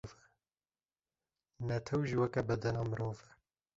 Netew jî weke bedena mirov e.